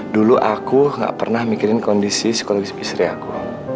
dulu aku gak pernah mikirin kondisi psikologis istri aku